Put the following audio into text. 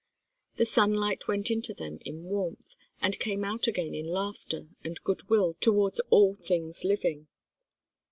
The sunlight went into them in warmth, and came out again in laughter and goodwill towards all things living.